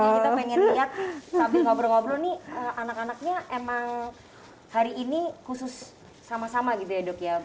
kita pengen lihat sambil ngobrol ngobrol nih anak anaknya emang hari ini khusus sama sama gitu ya dok ya